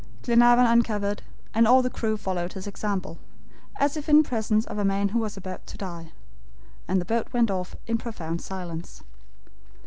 Glenarvan uncovered, and all the crew followed his example, as if in presence of a man who was about to die, and the boat went off in profound silence.